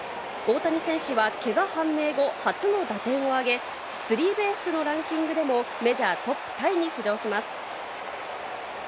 大谷選手はけが判明後、初の打点を挙げ、スリーベースのランキングでも、メジャートップタイに浮上します。